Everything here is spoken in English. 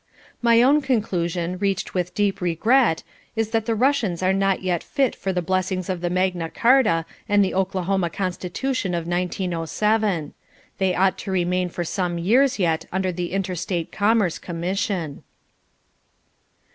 My own conclusion, reached with deep regret, is that the Russians are not yet fit for the blessings of the Magna Carta and the Oklahama Constitution of 1907. They ought to remain for some years yet under the Interstate Commerce Commission.